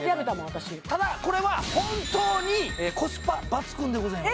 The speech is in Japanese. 私ただこれは本当にコスパ抜群でございます